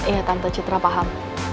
ya tante citra paham